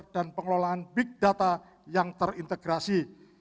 dan pengelolaan big data yang terintegrasi